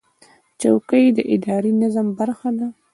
چوکۍ د اداري نظم برخه ده.